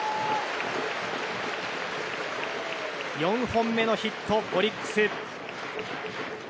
４本目のヒット、オリックス。